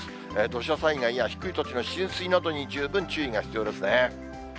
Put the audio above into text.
土砂災害や低い土地の浸水に十分注意が必要ですね。